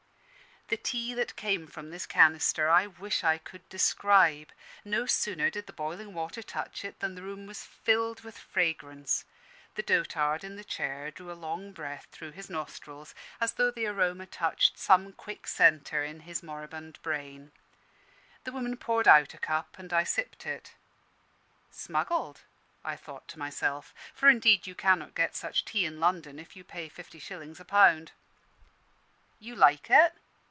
The tea that came from this canister I wish I could describe. No sooner did the boiling water touch it than the room was filled with fragrance. The dotard in the chair drew a long breath through his nostrils, as though the aroma touched some quick centre in his moribund brain. The woman poured out a cup, and I sipped it. "Smuggled," I thought to myself; for indeed you cannot get such tea in London if you pay fifty shillings a pound. "You like it?"